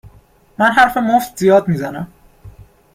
من حرف مفت زیاد میزنم